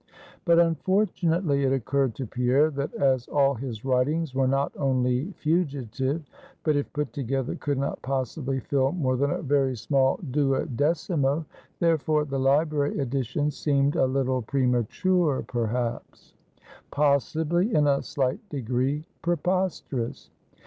But unfortunately it occurred to Pierre, that as all his writings were not only fugitive, but if put together could not possibly fill more than a very small duodecimo; therefore the Library Edition seemed a little premature, perhaps; possibly, in a slight degree, preposterous.